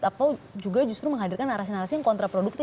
atau juga justru menghadirkan narasi narasi yang kontraproduktif